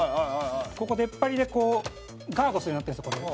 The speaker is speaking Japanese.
ここ、出っ張りで、こうガードするようになってるんですよ、これ。